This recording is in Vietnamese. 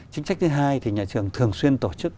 chính sách thứ hai thì nhà trường thường xuyên tổ chức